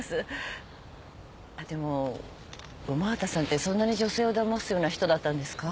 でも午端さんってそんなに女性をだますような人だったんですか？